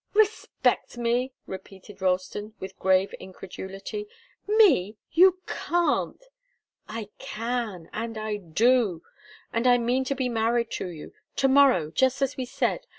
"Respect me!" repeated Ralston, with grave incredulity. "Me! You can't!" "I can and I do. And I mean to be married to you to morrow, just as we said.